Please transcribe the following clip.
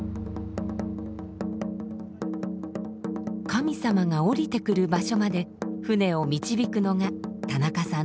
神様が降りてくる場所まで船を導くのが田中さんの務め。